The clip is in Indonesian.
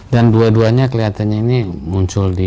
dan dua duanya kelihatannya ini muncul di dalam